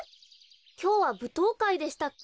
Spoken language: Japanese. きょうはぶとうかいでしたっけ？